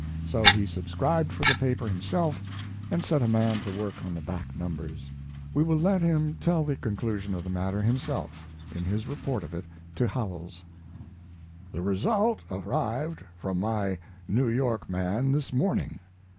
So he subscribed for the paper himself and set a man to work on the back numbers. We will let him tell the conclusion of the matter himself, in his report of it to Howells: The result arrived from my New York man this morning.